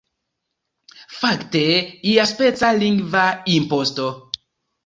Fakte iaspeca lingva imposto.